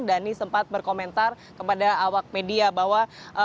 dhani sempat berkomentar kepada awak media bahwa